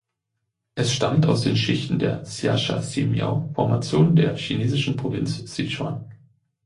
Es stammt aus den Schichten der Xiashaximiao-Formation der chinesischen Provinz Sichuan.